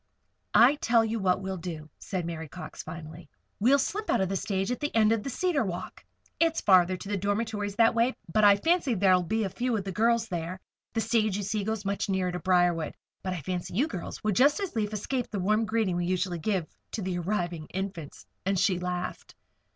"I tell you what we will do," said Mary Cox, finally. "We'll slip out of the stage at the end of Cedar Walk. It's farther to the dormitories that way, but I fancy there'll be few of the girls there. The stage, you see, goes much nearer to Briarwood; but I fancy you girls would just as lief escape the warm greeting we usually give to the arriving Infants," and she laughed.